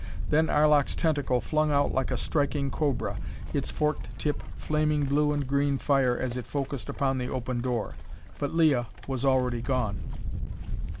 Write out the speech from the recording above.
Then Arlok's tentacle flung out like a striking cobra, its forked tip flaming blue and green fire as it focussed upon the open door. But Leah was already gone.